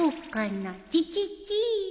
チチチー